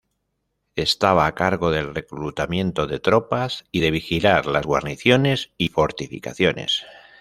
Estaba a cargo del reclutamiento de tropas y de vigilar las guarniciones y fortificaciones.